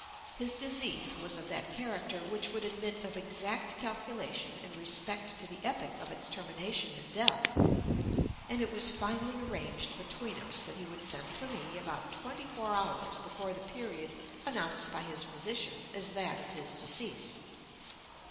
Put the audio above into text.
His disease was of that character which would admit of exact calculation in respect to the epoch of its termination in death; and it was finally arranged between us that he would send for me about twenty four hours before the period announced by his physicians as that of his decease.